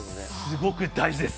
すごく大事です。